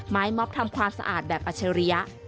ม็อบทำความสะอาดแบบอัชริยะ